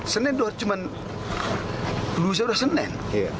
senin itu cuma perlu saya beri senin